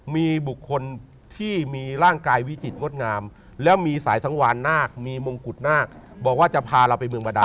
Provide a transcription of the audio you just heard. มีบุคคลที่มีร่างกายวิจิตรงดงามแล้วมีสายสังวานนาคมีมงกุฎนาคบอกว่าจะพาเราไปเมืองบาดา